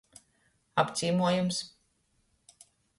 Apcīmuojums.